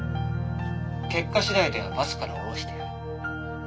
結果次第ではバスから降ろしてやる。